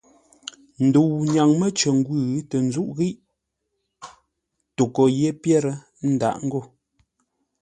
Ndəu nyaŋ mə́ cər ngwʉ̂ tə nzúʼ ghíʼ toghʼə́ yé pyêr, ə́ ndǎʼ ngô.